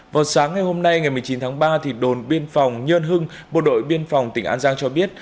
vào sáng ngày hôm nay ngày một mươi chín tháng ba đồn biên phòng nhơn hưng bộ đội biên phòng tỉnh an giang cho biết